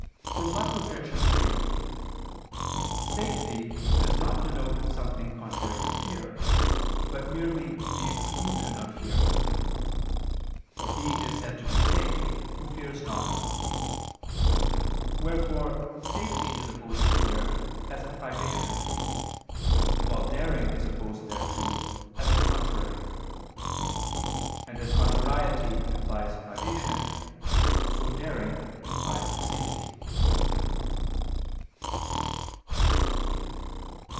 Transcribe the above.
Reply Obj. 3: Safety does not denote something contrary to fear, but merely the exclusion of fear: for he is said to be safe, who fears not. Wherefore safety is opposed to fear, as a privation: while daring is opposed thereto as a contrary. And as contrariety implies privation, so daring implies safety.